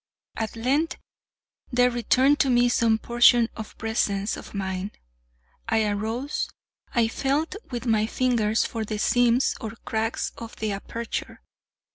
At length there returned to me some portion of presence of mind. I arose, and felt with my fingers for the seams or cracks of the aperture.